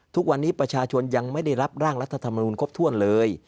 ทุกวันนี้ประชาชนยังไม่ได้รับร่างรัฐธรรมนูลครบถ้วนเลย